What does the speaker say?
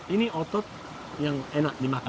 ini otot yang enak dimakan